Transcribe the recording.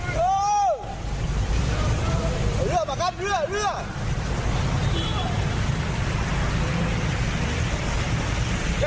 เรือมากันเรือเรือ